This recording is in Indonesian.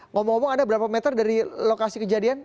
ngomong ngomong anda berapa meter dari lokasi kejadian